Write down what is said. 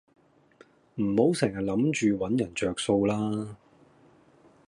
唔好成人諗住搵人着數啦